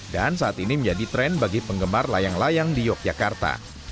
dan saat ini menjadi tren bagi penggemar layang layang di yogyakarta